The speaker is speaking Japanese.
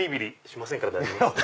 しませんから大丈夫です。